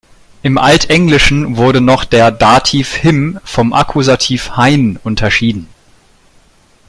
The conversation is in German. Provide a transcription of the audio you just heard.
Im Altenglischen wurde noch der Dativ "him" vom Akkusativ "hine" unterschieden.